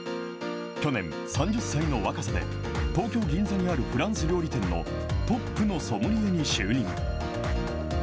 去年、３０歳の若さで、東京・銀座にあるフランス料理店のトップのソムリエに就任。